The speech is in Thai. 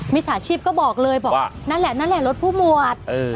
ฉาชีพก็บอกเลยบอกว่านั่นแหละนั่นแหละรถผู้หมวด